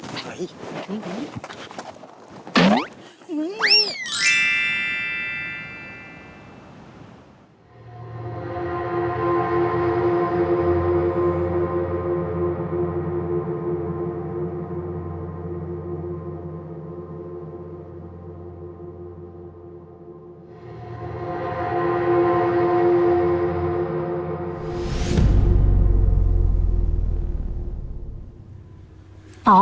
โอ้โฮ